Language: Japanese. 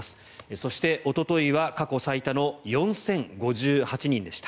そしておとといは過去最多の４０５８人でした。